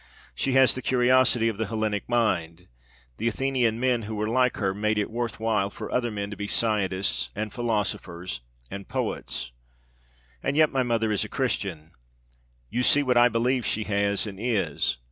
She has the curiosity of the Hellenic mind. The Athenian men who were like her made it worth while for other men to be scientists and philosophers and poets. And yet my mother is a Christian. You see what I believe she has and is.